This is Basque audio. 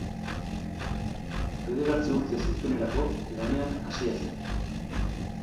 Bederatzi urte zituenerako lanean hasia zen.